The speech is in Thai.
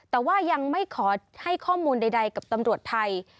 แต่ว่ายังไม่ขอให้ข้อมูลใดกับตำรวจไทย